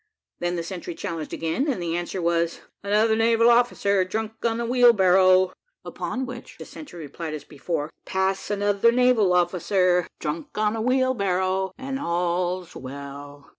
Then the sentry challenged again, and the answer was, "Another naval officer, drunk on a wheelbarrow:" upon which the sentry replied as before, "Pass, another naval officer, drunk on a wheelbarrow and all's well."